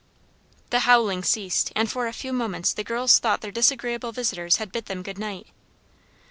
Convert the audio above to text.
The howling ceased, and for a few moments the girls thought their disagreeable visitors had bid them good night.